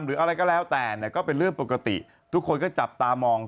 หรืออะไรก็แล้วแต่เนี่ยก็เป็นเรื่องปกติทุกคนก็จับตามอง